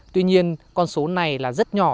tuy nhiên con số này là rất nhỏ